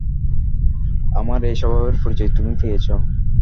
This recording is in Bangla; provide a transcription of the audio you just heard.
আমার এই স্বভাবের পরিচয় তুমিও পেয়েছ।